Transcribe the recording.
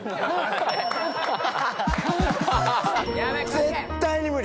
絶対に無理！